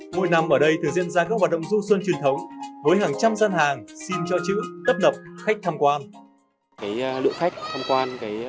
mỗi năm ở đây thường diễn ra các hoạt động du xuân truyền thống với hàng trăm gian hàng xin cho chữ tấp nập khách tham quan